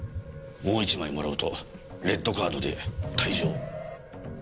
もう１枚もらうとレッドカードで退場。